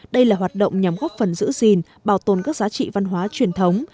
đây là hoạt động nhằm góp phần giữ gìn bảo tồn các giá trị văn hóa truyền thống